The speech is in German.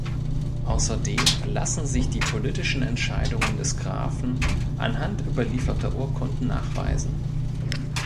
Außerdem lassen sich die politischen Entscheidungen des Grafen anhand überlieferter Urkunden nachweisen.